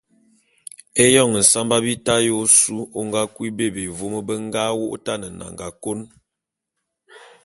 Éyoñ nsamba bita ya ôsu ô nga kui bebé vôm be nga wô’ôtan nnanga kôn.